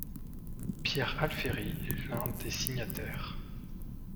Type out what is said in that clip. Pierre Alféri est l'un des signataires.